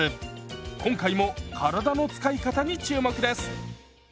今回も体の使い方に注目です！